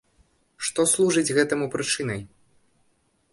Што служыць гэтаму прычынай?